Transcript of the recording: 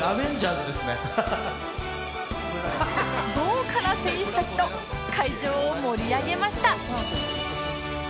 豪華な選手たちと会場を盛り上げました